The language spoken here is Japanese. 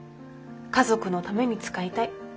家族のために使いたい。